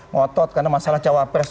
ngotot karena masalah cawa pres